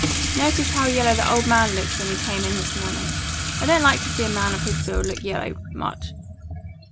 Notice how yellow the old man looked when he came in this morning? I don't like to see a man of his build look yellow much."